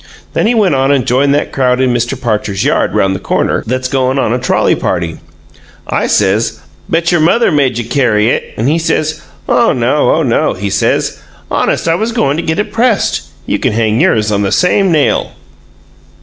Then he went on and joined that crowd in Mr. Parcher's yard, around the corner, that's goin' on a trolley party. I says, 'I betcher mother maje carry it,' and he says, 'Oh no. Oh no,' he says. 'Honest, I was goin' to get it pressed!' You can hang yours on the same nail."